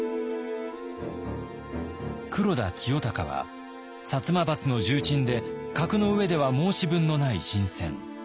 黒田清隆は摩閥の重鎮で格の上では申し分のない人選。